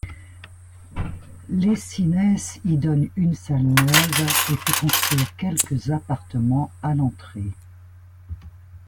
Lessines y donne une salle neuve et fait construire quelques appartements à l'entrée.